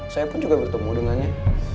saya pun juga bertemu dengannya